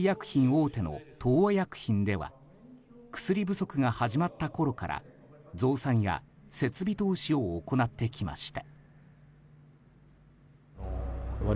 大手の東和薬品では薬不足が始まったころから増産や設備投資を行ってきました。